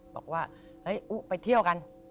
บอกว่าไปเที่ยวกัน